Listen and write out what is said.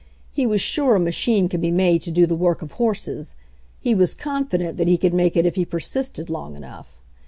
He was sure a machine could be made to do the work of horses; he was confident that he could make it if he persisted long enough.